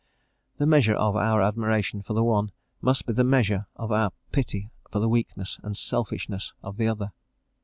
The measure of our admiration for the one, must be the measure of our pity for the weakness and selfishness of the other.